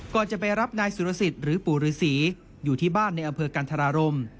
จะไปรับนายสุรสิทธิ์หรือปู่ฤษีอยู่ที่บ้านในอำเภอกันธรารม